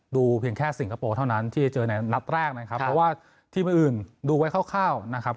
เพียงแค่สิงคโปร์เท่านั้นที่เจอในนัดแรกนะครับเพราะว่าทีมอื่นดูไว้คร่าวนะครับ